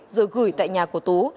rồi gửi tại nhà của tú